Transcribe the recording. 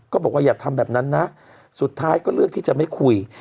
บอกว่าอย่าทำแบบนั้นนะสุดท้ายก็เลือกที่จะไม่คุย